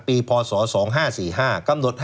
ปีพศ๒๕๔๕